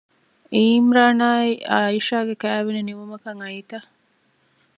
ޢީމްރާނާއި ޢައިޝާގެ ކައިވެނި ނިމުމަކަށް އައީތަ؟